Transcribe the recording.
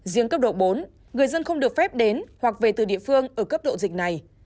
riêng cấp độ bốn người dân không được phép đến hoặc về từ địa phương ở cấp độ dịch này